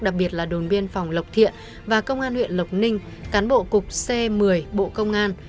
đặc biệt là đồn biên phòng lộc thiện và công an huyện lộc ninh cán bộ cục c một mươi bộ công an